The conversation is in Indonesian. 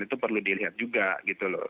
itu perlu dilihat juga gitu loh